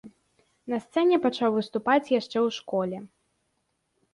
На сцэне пачаў выступаць яшчэ ў школе.